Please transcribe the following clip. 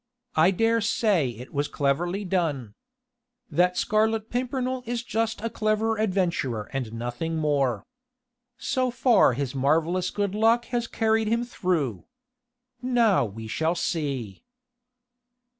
I dare say it was cleverly done. That Scarlet Pimpernel is just a clever adventurer and nothing more. So far his marvellous good luck has carried him through. Now we shall see."